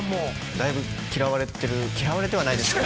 だいぶ嫌われてる嫌われてはないです。